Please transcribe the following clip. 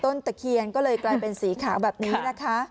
ตะเคียนก็เลยกลายเป็นสีขาวแบบนี้นะคะ